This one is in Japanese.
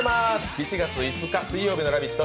７月５日水曜日の「ラヴィット！」